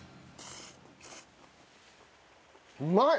うまい！